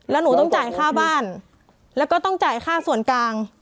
แล้วหนูต้องจ่ายค่าบ้านแล้วก็ต้องจ่ายค่าส่วนกลาง